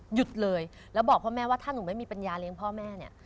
หยุดเลยแล้วบอกพ่อแม่ว่าถ้าหนูไม่มีปัญญาเลี้ยงพ่อแม่เนี่ย